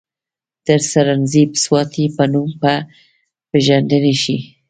د سرنزېب سواتي پۀ نوم پ ېژندے شي،